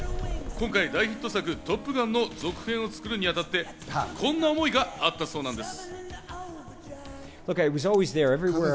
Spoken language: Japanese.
今回大ヒット作『トップガン』の続編を作るに当たってこんな思いがあったそうなんです。